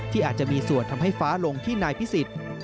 อาจจะมีส่วนทำให้ฟ้าลงที่นายพิสิทธิ์